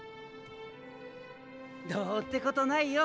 どうってことないよ。